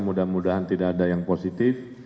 mudah mudahan tidak ada yang positif